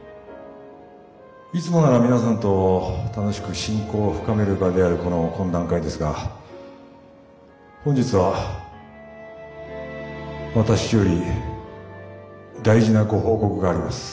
いつもなら皆さんと楽しく親交を深める場であるこの懇談会ですが本日は私より大事なご報告があります。